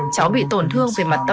cháu bị tổn thương về mặt tâm